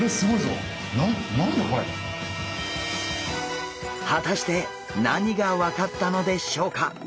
果たして何が分かったのでしょうか？